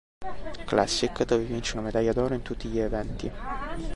Classic, dove vince una medaglia d'oro in tutti gli eventi.